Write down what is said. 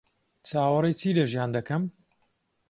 چاوەڕێی چی لە ژیان دەکەم؟